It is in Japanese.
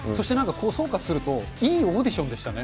総括すると、いいオーディションでしたね。